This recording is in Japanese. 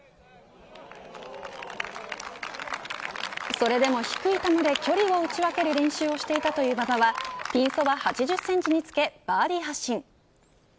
それでも低い球で距離を打ち分ける練習をしていたという馬場はピンそば８０センチにつけバーディー発進。